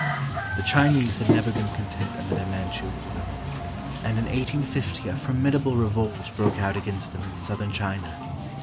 The Chinese had never been content under their Manchu rulers, and in 1850 a formidable revolt broke out against them in southern China.